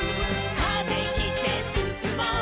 「風切ってすすもう」